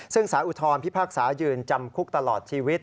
ซึ่งสารอุทธรพิพากษายืนจำคุกตลอดชีวิต